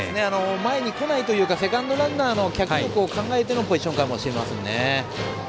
前に来ないというかセカンドランナーの脚力を考えてのポジションかもしれません。